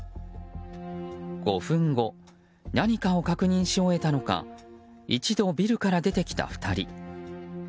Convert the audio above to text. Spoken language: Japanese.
５分後、何かを確認し終えたのか一度ビルから出てきた２人。